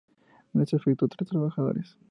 Esto afectó a tres trabajadores.